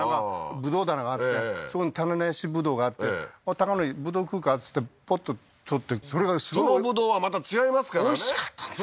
ブドウ棚があってそこに種なしブドウがあって孝則ブドウ食うかっつってポッと採ってそのブドウはまた違いますからねおいしかったんですよ